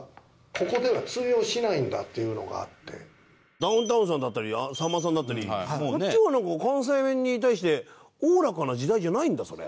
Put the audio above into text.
ダウンタウンさんだったりさんまさんだったりこっちが関西弁に対しておおらかな時代じゃないんだそれ。